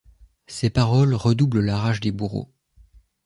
Ses paroles redoublent la rage des bourreaux.